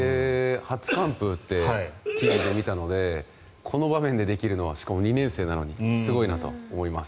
初完封って記事で見たのでこの場面でできるのはしかも２年生なのにすごいなと思います。